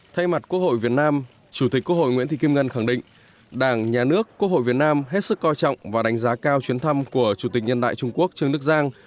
thay mặt quốc hội việt nam chủ tịch quốc hội nguyễn thị kim ngân khẳng định đảng nhà nước quốc hội việt nam hết sức coi trọng và đánh giá cao chuyến thăm của chủ tịch nhân đại trung quốc trương đức giang